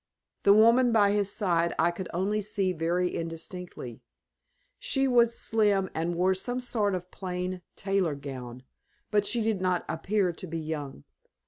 The woman by his side I could only see very indistinctly. She was slim, and wore some sort of a plain tailor gown, but she did not appear to be young.